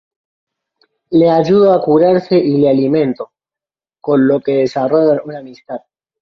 Le ayudó a curarse y le alimentó, con lo que desarrollan una amistad.